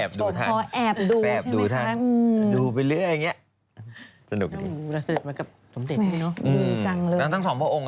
ไปแอบดูทาง